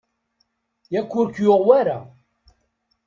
Yak ur k-yuɣ wara?